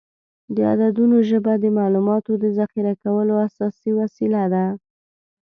د عددونو ژبه د معلوماتو د ذخیره کولو اساسي وسیله ده.